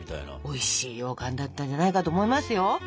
おいしいようかんだったんじゃないかと思いますよ。